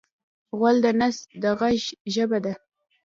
غول د نس د غږ ژبه ده.